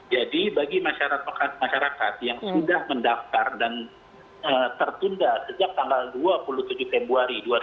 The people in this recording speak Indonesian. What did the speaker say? jadi bagi masyarakat masyarakat yang sudah mendaftar dan tertunda sejak tanggal dua puluh tujuh februari dua ribu dua puluh